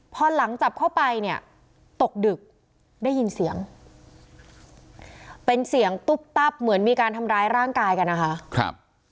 พอหลังจับเข้าไปเนี่ยตกดึกได้ยินเสียงเป็นเสียงตุ๊บตับเหมือนมีการทำร้ายร่างกายกันนะคะ